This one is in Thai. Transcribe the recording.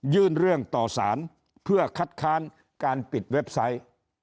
เรื่องต่อสารเพื่อคัดค้านการปิดเว็บไซต์